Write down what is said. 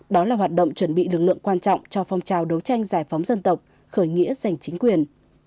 đó là hoạt động chuẩn bị lực lượng quan trọng cho phong trào đấu tranh giải phóng dân tộc khởi nghĩa giành chính quyền